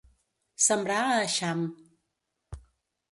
Sembrar a eixam.